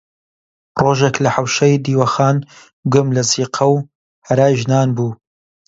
ڕۆژێک لە حەوشەی دیوەخان گوێم لە زیقە و هەرای ژنان بوو